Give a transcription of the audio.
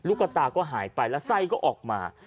กระตาก็หายไปแล้วไส้ก็ออกมา